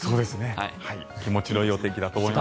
気持ちのいいお天気だと思います。